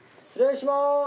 失礼します！